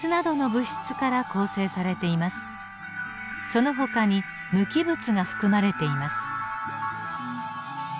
そのほかに無機物が含まれています。